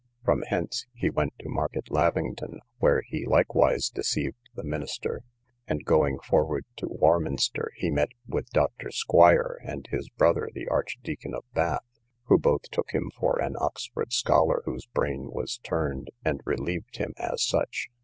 From hence he went to Market Lavington, where he likewise deceived the minister; and going forward to Warminster, he met with Dr. Squire, and his brother, the Archdeacon of Bath, who both took him for an Oxford scholar whose brain was turned, and relieved him as such.